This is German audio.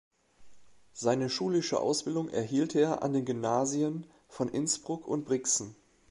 Seine schulische Ausbildung erhielt er an den Gymnasien von Innsbruck und Brixen.